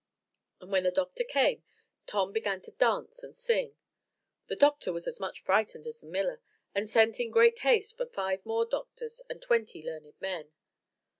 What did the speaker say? When the doctor came, Tom began to dance and sing; the doctor was as much frightened as the miller, and sent in great haste for five more doctors and twenty learned men.